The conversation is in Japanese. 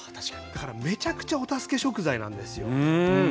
だからめちゃくちゃお助け食材なんですよ。